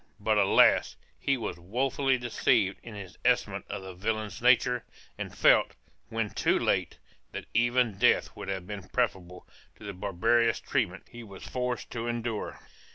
But alas! he was woefully deceived in his estimate of the villains' nature, and felt, when too late, that even death would have been preferable to the barbarous treatment he was forced to endure.